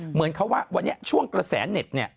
เหมือนเขาว่าวันนี้ช่วงกระแสเน็ตเนี่ย